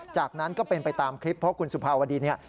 จากนั้นก็เป็นไปตามคลิปเพราะคุณสุภาวดีเนี่ย